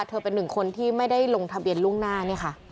เป็นหนึ่งคนที่ไม่ได้ลงทะเบียนล่วงหน้าเนี่ยค่ะ